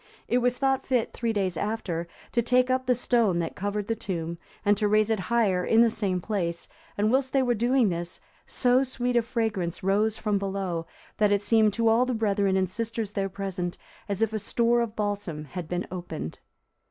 It was thought fit, three days after, to take up the stone that covered the tomb, and to raise it higher in the same place, and whilst they were doing this, so sweet a fragrance rose from below, that it seemed to all the brethren and sisters there present, as if a store of balsam had been opened.